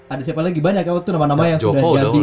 ada siapa lagi banyak ya itu nama nama yang sudah jadi